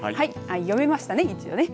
読めましたね、一応ね。